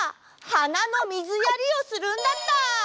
はなのみずやりをするんだった！